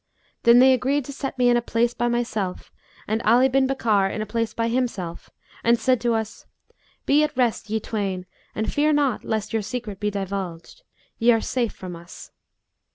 Then they agreed to set me in a place by myself and Ali bin Bakkar in a place by himself, and said to us, 'Be at rest ye twain and fear not lest your secret be divulged; ye are safe from us.